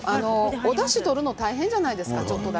おだしを取るの大変じゃないですか。